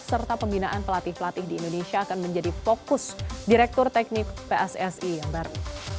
serta pembinaan pelatih pelatih di indonesia akan menjadi fokus direktur teknik pssi yang baru